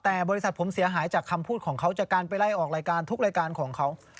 แต่บริษัทผมเสียหายจากคำพูดของเขาจากการไปไล่ออกรายการทุกรายการของเขา